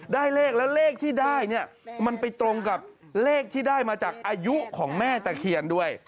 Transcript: ได้เลขแล้วเลขที่ได้เนี่ยมันไปตรงกับเลขที่ได้มาจากอายุของแม่ตะเคียนด้วย